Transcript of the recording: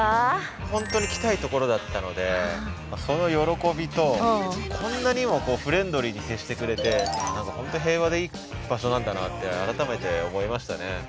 本当に来たいところだったのでその喜びとこんなにもフレンドリーに接してくれて何か本当に平和でいい場所なんだなって改めて思いましたね。